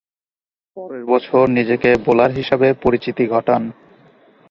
পরের বছর নিজেকে বোলার হিসেবে পরিচিতি ঘটান।